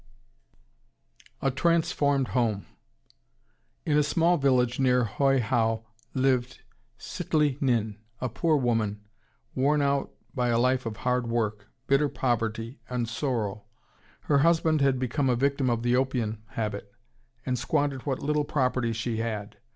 A TRANSFORMED HOME In a small village near Hoi How lived Sitli Nin, a poor woman, worn out by a life of hard work, bitter poverty, and sorrow. Her husband had become a victim of the opium habit, and squandered what little property she had.